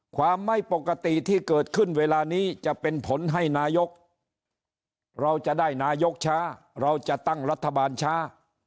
ความไม่ปกติที่เกิดขึ้นเวลานี้จะเป็นผลให้นายกเราจะได้นายกช้าเราจะตั้งรัฐบาลช้า